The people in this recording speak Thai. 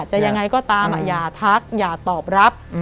ยังไงก็ตามอย่าทักอย่าตอบรับ